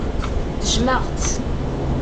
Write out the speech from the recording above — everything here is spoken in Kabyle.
Jjmeɣ-tt.